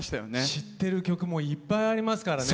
知ってる曲もいっぱいありますからね。